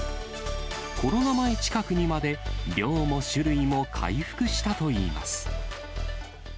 コロナ前近くにまで、量も種類も回復したといいます。